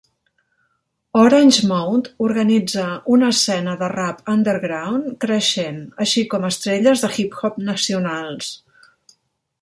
Orange Mound organitza una escena de rap underground creixent, així com estrelles de hip-hop nacionals.